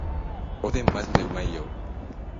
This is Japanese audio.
おでんマジでうまいよ